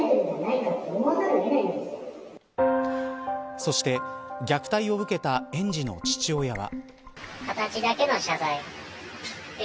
そして虐待を受けた園児の父親は。